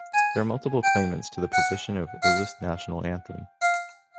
There are multiple claimants to the position of oldest national anthem.